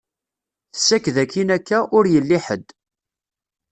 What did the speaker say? Tessaked akin akka, ur yelli ḥed.